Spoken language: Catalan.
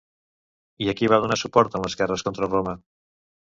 I a qui va donar suport en les guerres contra Roma?